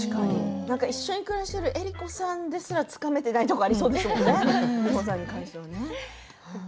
一緒に暮らしている江里子さんでさえつかめていないところありそうですものね